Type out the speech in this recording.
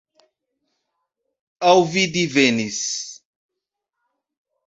Aŭ vi divenis?